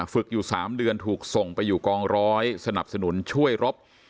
ฝึกอยู่๓เดือนถูกส่งไปอยู่กองร้อยสนับสนุนช่วยรบ